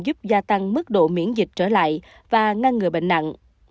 giúp gia tăng mức độ miễn dịch trở lại và ngăn ngừa bệnh nặng